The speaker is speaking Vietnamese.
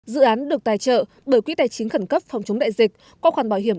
dự án được tài trợ bởi quỹ tài chính khẩn cấp phòng chống đại dịch qua khoản bảo hiểm